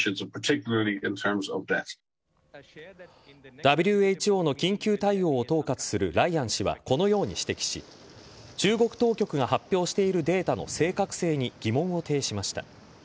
ＷＨＯの緊急対応を統括するライアン氏はこのように指摘し中国当局が発表しているデータの正確性に疑問を呈しました。